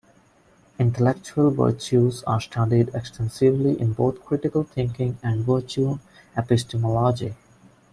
Intellectual virtues are studied extensively in both critical thinking and virtue epistemology.